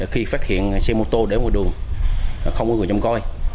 khi phát hiện xe mô tô đến ngoài đường không có người trông coi